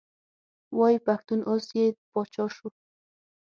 وایي پښتون اوس یې پاچا شو.